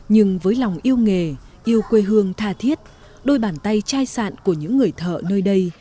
nhưng với lòng yêu nghề yêu quê hương tha thiết đôi bàn tay chai sạn của những người thợ nơi đây